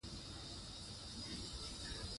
دریم اصل : عدالت او مساواتو اصل